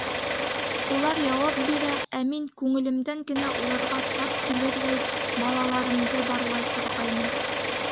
Улар яуап бирә, ә мин күңелемдән генә уларға тап килерҙәй балаларымды барлай торғайным.